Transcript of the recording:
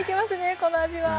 この味は！